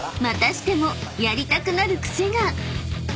［またしてもやりたくなる癖が！］